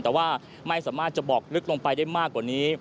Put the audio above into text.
แต่ว่าไม่สามารถจะบอกลึกลงไปได้มากกว่านี้